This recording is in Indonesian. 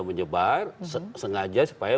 menyebar sengaja supaya